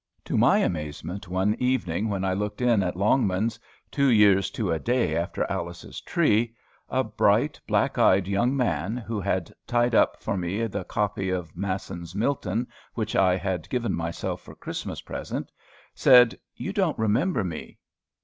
To my amazement, one evening when I looked in at Longman's, two years to a day after Alice's tree, a bright black eyed young man, who had tied up for me the copy of Masson's "Milton," which I had given myself for a Christmas present, said: "You don't remember me."